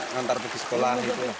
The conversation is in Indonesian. nanti pergi sekolah